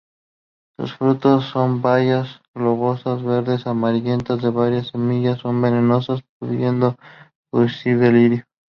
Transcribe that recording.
Sus frutos son bayas globosas verde-amarillentas de varias semillas; son venenosos, pudiendo producir delirio.